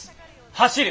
走る！